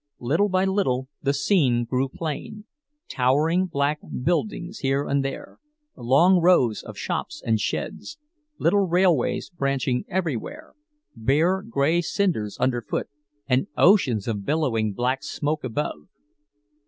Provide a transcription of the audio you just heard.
Little by little the scene grew plain: towering, black buildings here and there, long rows of shops and sheds, little railways branching everywhere, bare gray cinders underfoot and oceans of billowing black smoke above.